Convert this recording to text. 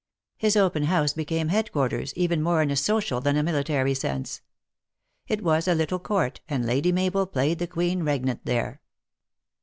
His open house became headquarters, even more in a social than a military sense. It was a little court, and Lady Mabel played the queen regnant there.